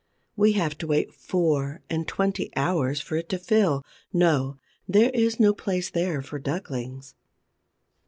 We have to wait four and twenty hours for it to fill. No, there is no place there for ducklings.